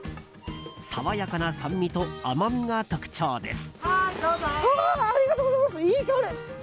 爽やかな酸味と甘みが特徴です。